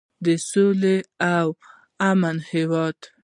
د سولې او امن هیواد.